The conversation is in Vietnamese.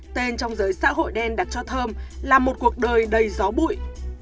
tên trong giới xã hội đen đặt cho thơm là một cuộc đời đầy gió bụi